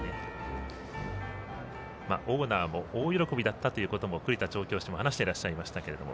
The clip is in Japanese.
オーナーも大喜びだったということも栗田調教師も話してらっしゃいましたけども。